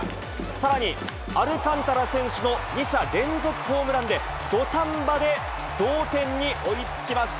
さらにアルカンタラ選手の２者連続ホームランで、土壇場で同点に追いつきます。